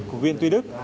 của viện tuy đức